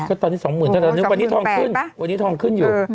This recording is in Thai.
ก็ตอนนี้๒๐๐๐๐ถ้าเราดูวันนี้ทองขึ้นวันนี้ทองขึ้นอยู่